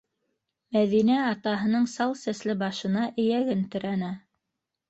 - Мәҙинә атаһының сал сәсле башына эйәген терәне.